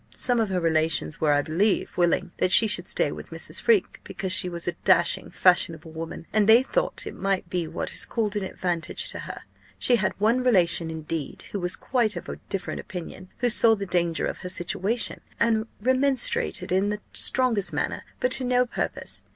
Some of her relations were, I believe, willing that she should stay with Mrs. Freke, because she was a dashing, fashionable woman, and they thought it might be what is called an advantage to her. She had one relation, indeed, who was quite of a different opinion, who saw the danger of her situation, and remonstrated in the strongest manner but to no purpose.